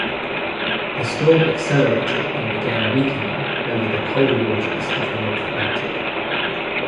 The storm accelerated and began weakening over the colder waters of the north Atlantic.